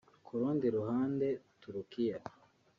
ku rundi ruhande Turkiya